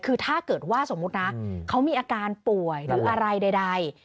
คือถ้าเกิดว่าสมมุตินะเขามีอาการป่วยหรืออะไรใด